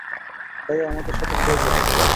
ভাইয়া, আমাদের সাথে খেয়ে যাও।